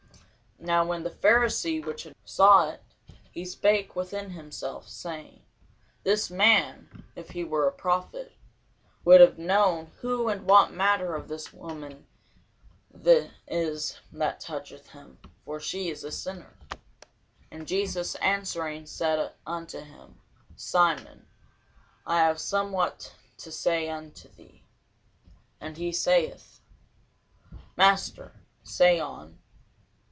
Now when the Pharisee which had bidden him saw it, he spake within himself, saying, This man, if he were a prophet, would have known who and what manner of woman this is that toucheth him: for she is a sinner. And Jesus answering said unto him, Simon, I have somewhat to say unto thee. And he saith, Master, say on.